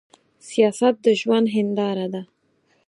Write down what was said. سياست د ژوند هينداره ده.